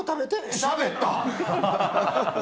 しゃべった！